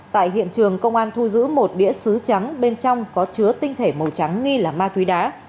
tại hiện trường công an thu giữ một đĩa xứ trắng bên trong có chứa tinh thể màu trắng nghi là ma túy đá